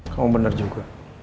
kamu bener juga